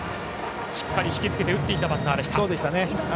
しっかりひきつけて打っていたバッターでした。